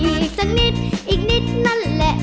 อีกสักนิดอีกนิดนั่นแหละ